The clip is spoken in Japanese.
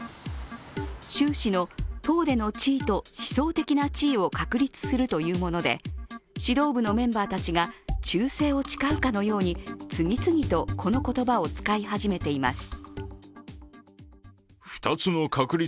習氏の党での地位と思想的な地位を確立するというもので指導部のメンバーたちが忠誠を誓うかのように、次々とこの言葉を使い始めています。